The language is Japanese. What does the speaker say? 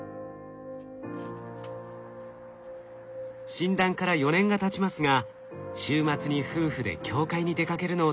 診断から４年がたちますが週末に夫婦で教会に出かけるのを楽しみにしています。